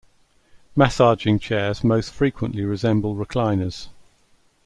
Massaging chairs most frequently resemble recliners.